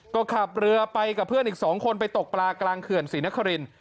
ก็ขับเรือไปกับเพื่อนอีก๒คนไปตกปลากลางเขื่อนศรีนคริน